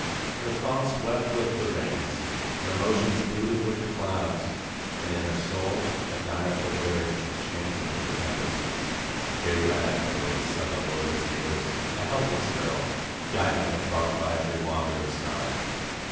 Her thoughts wept with the rains, her emotions brooded with the clouds, and in her soul a direful dirge chanted to the tempest. Er 21 22 MARIE ratio Marie, said the Lotus eaters, a helpless girl, guid ing her bark by every wandering star.